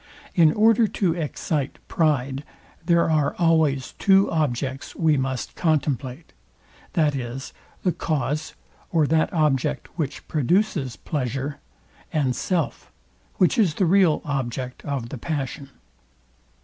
In order to excite pride, there are always two objects we must contemplate, viz. the cause or that object which produces pleasure; and self, which is the real object of the passion.